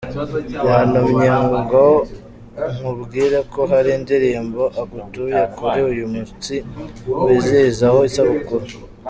Yantumye ngo nkubwire ko hari indirimbo agutuye kuri uyu munsi wizihizaho isabukuru.